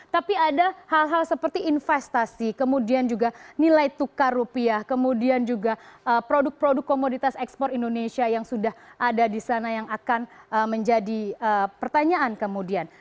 tapi ada hal hal seperti investasi kemudian juga nilai tukar rupiah kemudian juga produk produk komoditas ekspor indonesia yang sudah ada di sana yang akan menjadi pertanyaan kemudian